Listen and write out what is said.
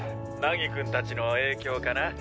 「凪くんたちの影響かな？」